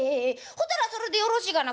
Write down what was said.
ほたらそれでよろしいがな。